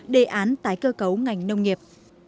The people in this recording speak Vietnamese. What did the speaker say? đề án tái cơ cấu ngành nông nghiệp